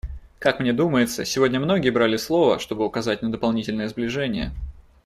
Как мне думается, сегодня многие брали слово, чтобы указать на дополнительное сближение.